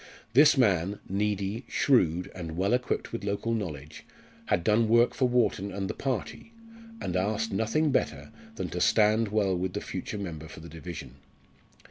This man needy, shrewd, and well equipped with local knowledge had done work for Wharton and the party, and asked nothing better than to stand well with the future member for the division.